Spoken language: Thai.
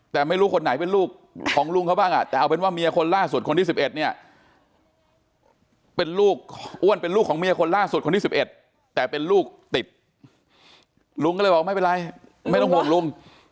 แต่เป็นลูกติดลุงก็เลยบอกไม่เป็นไรไม่ต้องห่วงลุง